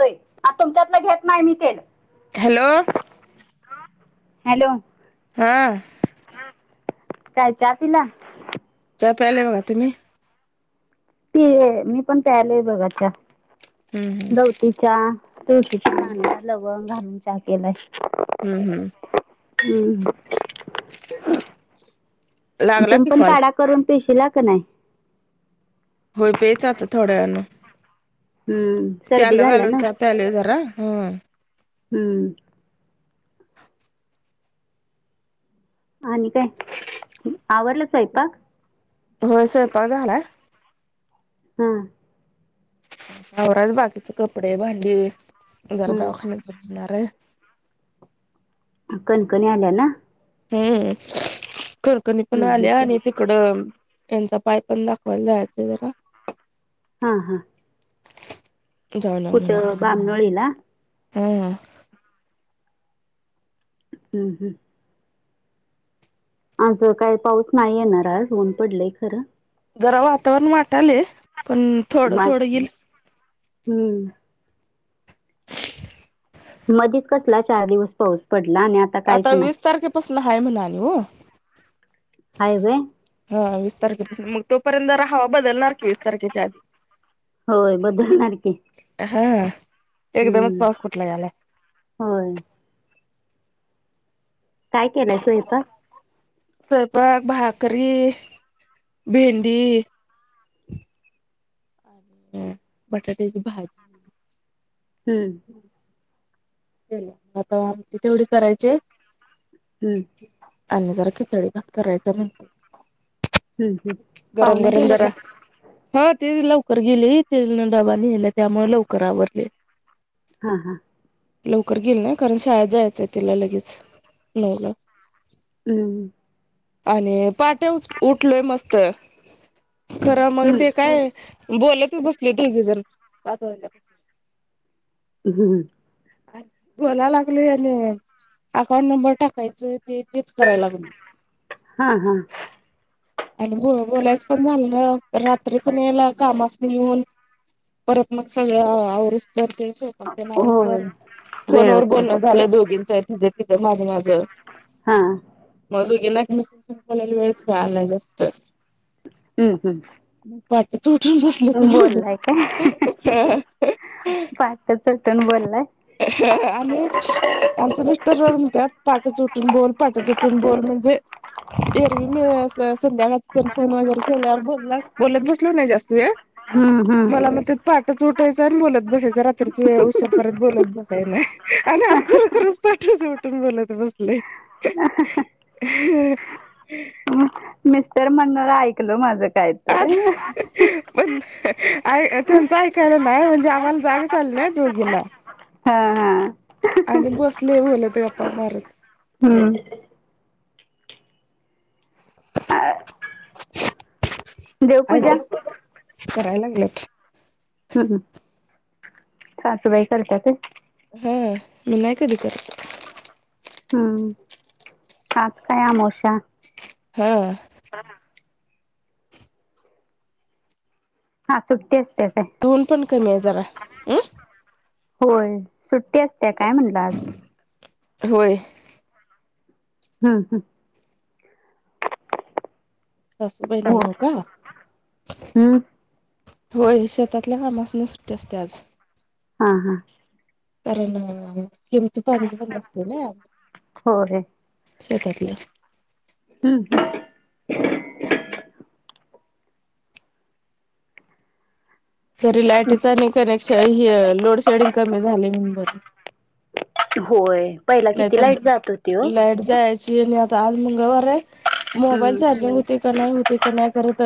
होय तुमच्यातलं घेत नाही मी तेल. हॅलो हॅलो हा काय चहा पिला. चहा प्यायले होय तुम्ही. ती मी पण प्यायलेय बघा चहा. हम्म गवती चहा तुळशीची हम्म पानं, त्यात लवंग घालून चहा केलाय. हम् हम्म हम हू लागला तुम्ही की पण कॉल काढा - करून पिशिला का नाही. होय प्यायचा आता थोड्या वेळानं. हम्म. ते सर्दी आलं झाल्या घालून ना चहा प्यायलोय जरा. हू हम्म आणि काय आवरलं स्वयंपाक. होय स्वयंपाक झालाय. हम आवरायचं बाकीच कपडे, भांडी जरा हम्म. दवाखाण्यात जाऊन येणार हाय. कणकणी आल्या ना. हम्म कणकणी पण हम्म, हम्म. आल्या आणि- तिकड त्यांचा पाय पण दाखवायला जायचंय जरा. हा हा. जाऊन येऊ कुठं म्हणालोय बांमनोळीला? हं हम्म हम्. आज काय पाऊस नाही येणार आज ऊन पडलंय खरं. जरा वातावरण वाटालय पण थोडं वा- थोडं इल. हम्म [unintelligible] मधीच कसला चार दिवस पाऊस, पडला आणि काहीच आता नाही वीस तारखेपासून हाय म्हण आणि ओ, हाय व्हय? हा वीस तारखेपासून मग तोपर्यंत जरा हवा बदलणार की वीस तारखेच्या आधी. होय बदलणार की, हा. एकदमच हम्म पाऊस कुठला यालाय होय. काय केलाय स्वयंपाक? स्वयंपाक भाकरी, भेंडी ह बटाट्याची भाजी. हम्म आता आमटी तेवढी करायची हाय. हम्म आणि जरा खिचडी भात करायच म्हणते. हम्म, हम्म. गरम पाहुणे गरम गेले जरा का हा ती लवकर गेली तेन डबा नेल्या त्यामुळे लवकर आवरलय. हा हा. लवकर गेली ना कारण शाळेत जायचंय तिला लगेच नऊला. हम आणि पहाटे उठलोय मस्त खर मग हम्म, ते काय बोलतच बसले दोघी जण पाच वाजल्यापस [unintelligible] न बोलालागलोय आणि अकाउंट नंबर टाकायचय ते तेच कराय लागल, हां हां आणि ब बोलायच पण झालं ना रात्री पण याला कामास येऊन परत मग सगळं आवरूस तर ते स्वयंपाक तेन आवरूस तवर होय वेळ फोनवर होते बोलणं झालं दोघींच तिथं तिथं माझ माझं हां हम्म, मग दोघींना घे म्हणून वेळ मिळाला जास्त हम्म. पहाटच ऊठुन बस बोललाय काय [unintelligible] ते [unintelligible] बोललाय. आणि त्यांच मिस्टर म्हणत्यात पहाटच उठून बोल पहाटच उठून बोल म्हणजे एरवी मी संध्याकाळच तेन फोन वगैरे केल्यावर बोलनार बोलत बसलो नाही जास्त वेळ हम्म, हम्म. मला म्हणत्यात पहाटच उटायचं आणि बोलत बसायच रात्रीच व उसरपर्यंत बोलत बसाय नाही आणि आज खरोखरच पहाटच उठून बोलत बसलोय. [unintelligible] मिस्टर म्हणार ऐकल माझं काय तर आज [inaudible] पण त्यांचं ऐकायला नाही म्हणजे आम्हाला जागच आली नाही दोघींना. हा- हा. आणि बसले मुल ते गप्पा मारत. हम्म. अ, देवपूजा [inaudible] कराय लागलेत. हम्म. सासुबाई करत्याते. हम्म. मी नाही कधी करत. हा. आज काय अमोशा. हा. आज सुट्टी असते काय? ऊन पण कमी आहे जरा. अं होय. सुट्टी असते काय म्हणलं आज? होय. हम्म - हम्म. सासू बाई हो नौका. हम्म होय. शेतातल्या कामासून सुट्टी असते आज. हा- हा. कारण स्किमच पाणीज बंद असत ना. होय. शेतातला. हम्म. तरी लायटीच आणि कनेक्शन ह लोड शेडिंग कमी झाले म्हणून बर. होय. पहिला किती नाहीतर लाईट जात होती हो. लाईट जायची आज मंगळवार मोबाईल हम्म चार्जिंग हो का नाही होत. ते कोण करत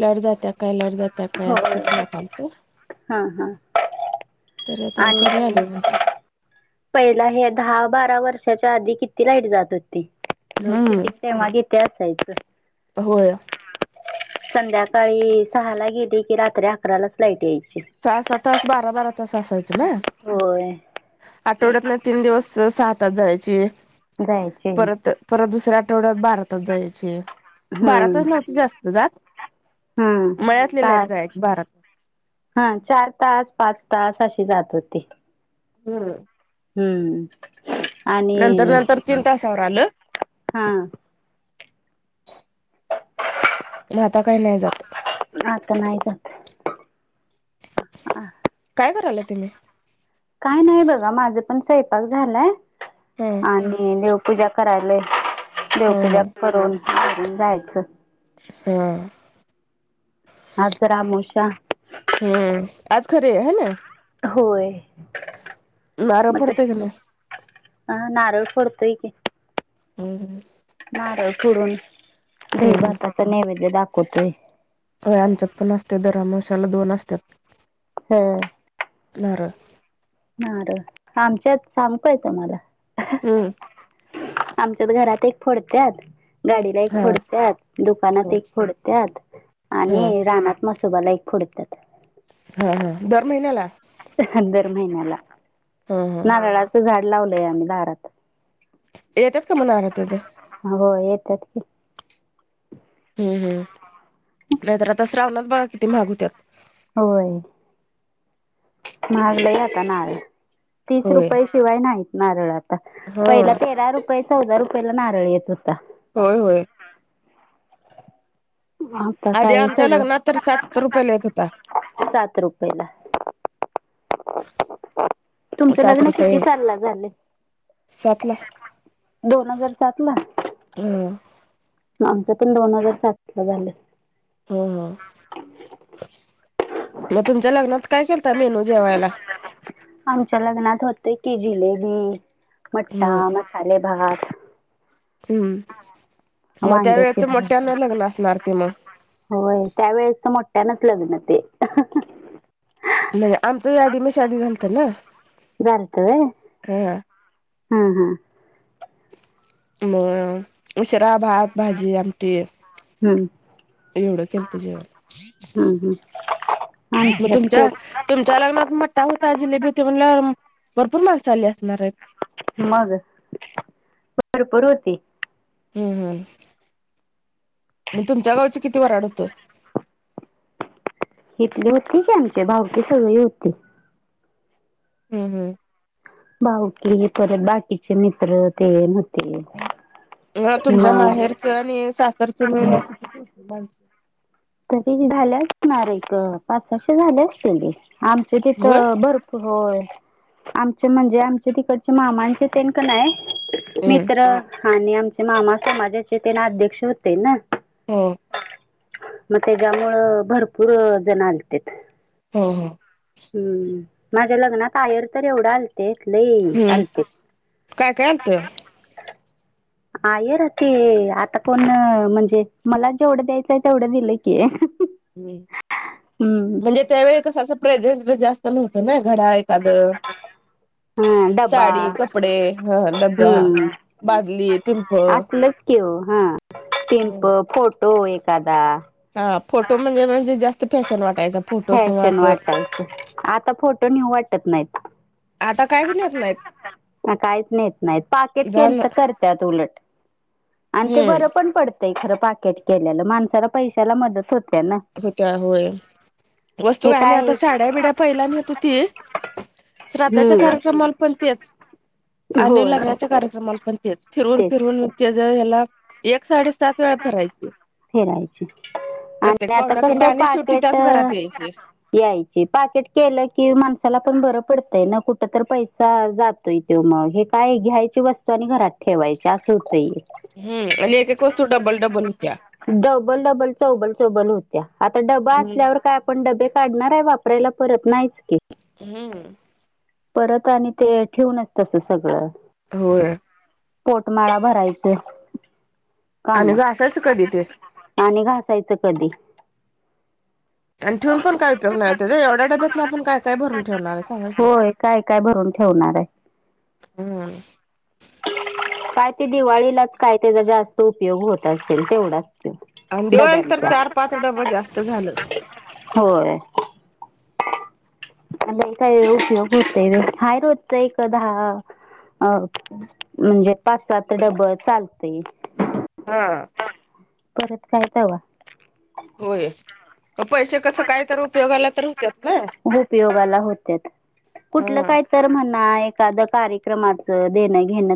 लाईट जात्या काय लाईट जात त्या काही होय असंच वाटाल तर हा हा तर आता कमी आणि आले म्हणजे. पहिला हे दहा बारा वर्षाच्या आधी किती लाइट जात होती हम्म लोडेडिंग तेव्हा किती असायचं. होय. संध्याकाळी सहा ला गेली की रात्री अकरालाच लाईट यायची. सहा- सहा तास बारा -बारा तास असायचं ना. होय. आठवड्यात ना तीन दिवस सहा तास जायची जायचे. परत परत दुसऱ्या आठवड्यात बारा तास जायची. बारा हम्म. तास नव्हत जास्त जात हम्म मळ्यातली लाईट तास जायची बारात हा चार तास पाच तास अशी जात होती. हम्म. हम्म. नंतर- आणि नंतर तीन तासावर आलं. हा म आता काही नाही जात. आता नाही जात हम्म. काय करलेत तुम्ही? काय नाही बघा माझं पण स्वयंपाक झालंय हा आणि देवपूजा करायला हा देवपूजा हा करून घरून जायचं. हा आज तर अमावश्या हम्म आज खरी आहे ह नी होय नारळ मग ते पडतोय का नाही अ नारळ फोडतोय की हम नारळ फोडून दही हम्म भाताच नैवेद्य दाखवतोय. हो आमच्यात पण असते, दर अमावशाला दोन असत्यात. हम्म नारळ नारळ आमच्यात [inaudible] काय तुम्हाला हम्म आमच्यात घरात एक फोडत्यात गाडीला एक हा फोडत्यात, दुकानात एक फोडत्यात हा आणि रानात पण म्हसोबाला एक फोडत्यात हा हा दर महिन्याला दर महिन्याला हा हा. नारळाचं झाड लावलंय आम्ही दारात. येतात का मगं नारळ तेच होय येतात की हम्म हम नाहीतर आता श्रावणात बघा किती महाग हुत्यात. होय महागले आता नारळ तीस होय रुपये शिवाय नाहीत नारळ आता पहिला हा तेरा रुप चौदा रुपयाला नारळ येत होता होय होय आता का आधी आहे आमच्या सगळं लग्नात तर सात रुपयाला येत होता. सात रुपयला तुमचं सात लग्न किती रुपये साल ला झाले सात ला दोन हजार सात ला हम आमचं पण दोन हजार सात ला झालं हो हो मग तुमच्या लग्नात काय केलता मेनू जेवायला आमच्या लग्नात होते की जिलेबी, मठ्ठा, हम्म मसाले भात हम्म मग त्या वांग्याची वेळेच मोठ्यान भाजी लग्न असणार ते मग होय त्यावेेळेस तर मोठ्यानच लग्न ते म्हणजे आमच यादी में शादी झालत ना हा हा हा [unintelligible] शिरा, भात, भाजी आमटी हं. एवढं केलत जेवण हम्म हम मग तुमच्या तुमच्या लग्नात मोठठा होता जिलेबी होती म्हणल्यावर भरपूर माणसं आली असणार. मग भरपूर होती. हम्म हम्म मग तुमच्या गावची किती वराढ होतं. इथले होते की आमचे भावकी सगळी होती. हम हम भाऊकी परत बाकीचे मित्र तेन व्हते ह तुमच्या माहेरचं आणि सासरच मिळून असं किती होती माणस तर तीजी झाले असणार एक पाच साशे झाले असतील आमचे होय? तिथं भर होय, आमचे म्हणजे आमच्या तिकडचे मामांचे तेनक नाय हम्म. मित्र, आणि आमच्या मामा समाजाचे तेन अध्यक्ष होते ना. हम. म त्याच्यामूळ भरपूर अ जण आलतेत. हो हुं. हम्म, माझ्या लग्नात आयेर तर एवढं आलते लई हम्म. आलते. काय काय आलत? आयेर ते, आता पण म्हणजे मला जेवढं द्यायचंय तेवढं दिलं की. हम् हम्म म्हणजे त्यावेळी कस असं प्रेझेंट जास्त नव्हतं ना घड्याळ [unintelligible] द हा डबा साडी, कपडे, ह डगगा. बादली, पिंप. आसलच की वो हां पिंप फोटो एकादा हा फोटो म्हणजे म्हणजे जास्त फॅशन वाटायचा फोटो किंवा फॅशन असं वाटायचं आता फोटो न्हीऊ वाट त नाहीत. आता कायच नेत नाहीत काहीच नेत नाही. पाकिट जाण केलंत करत्यात उलट. आनं ते हम्म बरं पण पडतंय खरं पाकेट केलेलं माणसाला पैशाला मदत होते ना. होत्या होय वस्तू [unintelligible] हे गणी काय आता साड्या बिड्या पहिल्या घेत होती. श्राद्धाच्या हम्म कार्यक्रमाला पण तेच, आणि होय लग्नाच्या कार्यक्रमाला पण तेच. फिरवून तेच फिरवून त्याज याला एक साडेसात वेळा फिरायची फिरायची. प्रत्येक आणि आता कस पाहुण्याकंड आणि शेवटी पाकेट त्याच घरात यायची. यायची पाकिट केलं कि माणसाला पण बरं पडतंय ना कुठ तर पैसा जात त मग हे काय घ्यायची वस्तू आणि घरात ठेवायचे असं होतंय. हम्म, आणि ऐकऐक वस्तू डबल डबल होत्या. डबल, डबल, चौबल, चौबल, होत्या आता डबा हम्म. असल्यावर काय पण डबे काढणार आहे वापरायला परत नाहीच की हम्. परत आणि ते ठेवूनच तस सगळं. होय. पोटमाळा भरायचे. आणि घासयच कधी ते? आणि घासायचं कधी. आणि ठेवून पण काय उपयोग नाही त्याच्या एवढ्या डब्यातनी आपण काय काय भरून ठेवणार आहे सांगा की? होय काय काय भरून ठेवणार आहे. हम्म काय ते दिवाळीलाच काय त्याचा जास्त उपयोग होत असेल तेवढाच ते. अनं दिवाळीला तर डब्यांचा चार पाच डबं जास्त झालं. होय. आनि काही उपयोग होतय हाय रोजच एक दहा अ म्हणजे पाच सात डब चालतय. हा. परत काय तवा होय. म पैसे कस कायतर उपयोगाला तर होत्यात ना. उपयोगाला होत्यात. कुठलं हा. काय तर म्हना एखाद कार्यक्रमाचं देणं घेणं